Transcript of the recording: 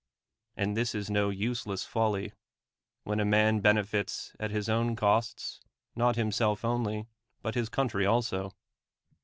And this is no useless folly, when a man benefits at his own costs, not himself only, but his coun try also.